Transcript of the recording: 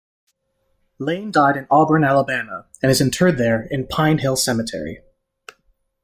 Lane died in Auburn, Alabama, and is interred there in Pine Hill Cemetery.